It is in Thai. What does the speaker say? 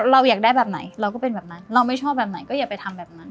เราอยากได้แบบไหนเราก็เป็นแบบนั้นเราไม่ชอบแบบไหนก็อย่าไปทำแบบนั้น